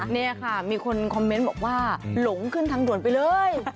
นี่ค่ะมีคนคอมเมนต์บอกว่าหลงขึ้นทางด่วนไปเลย